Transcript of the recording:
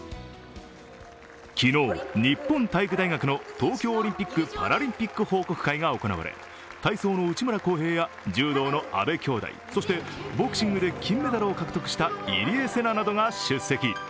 昨日、日本体育大学の東京オリンピック・パラリンピック報告会が行われ体操の内村航平や柔道の阿部きょうだいそしてボクシングで金メダルを獲得した入江聖奈などが出席。